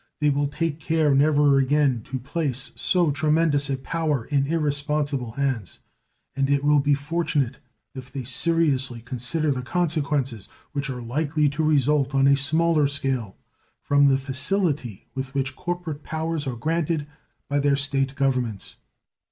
They will take care never again to place so tremendous a power in irresponsible hands, and it will be fortunate if they seriously consider the consequences which are likely to result on a smaller scale from the facility with which corporate powers are granted by their State governments.